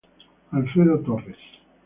Alfredo Torres